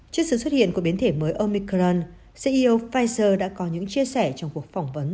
trước sự xuất hiện của biến thể mới omicuran ceo pfizer đã có những chia sẻ trong cuộc phỏng vấn